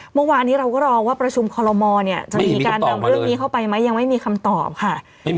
เมื่อวานนี้เราก็รอว่าประชุมคอลโลมอล์จะมีการดำเนื้อมีเข้าไปไหม